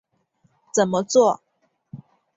怎么作？